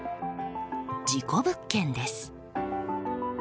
事故物件です。